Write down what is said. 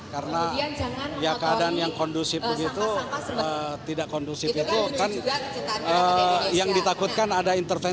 karena keadaan yang kondusif begitu tidak kondusif itu kan yang ditakutkan ada intervj